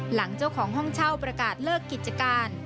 หลังเจ้าของห้องเช่าประกาศเลิกกิจการ